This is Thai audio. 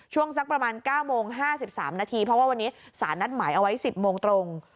ช่วงสักประมาณเก้าโมงห้าสิบสามนาทีเพราะว่าวันนี้สารนัดหมายเอาไว้สิบโมงตรง